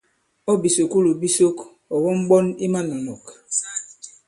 Ɔ̂ bìsùkulù bi sok, ɔ̀ wɔm ɓɔn i manɔ̀nɔ̀k.